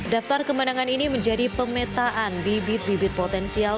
daftar kemenangan ini menjadi pemetaan bibit bibit potensial